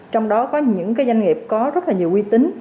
trong đó có những doanh nghiệp có rất nhiều uy tín